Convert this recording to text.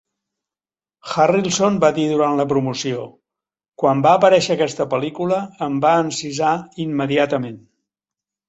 Harrelson va dir durant la promoció: Quan va aparèixer aquesta pel·lícula, em va encisar immediatament.